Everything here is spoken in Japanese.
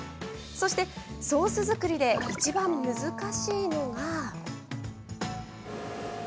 そしてソース作りでいちばん難しいのが。